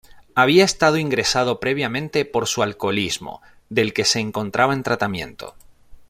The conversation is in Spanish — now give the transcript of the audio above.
Había estado ingresado previamente por su alcoholismo, del que se encontraba en tratamiento.